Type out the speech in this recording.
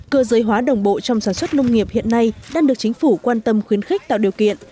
cơ giới hóa đồng bộ trong sản xuất nông nghiệp hiện nay đang được chính phủ quan tâm khuyến khích tạo điều kiện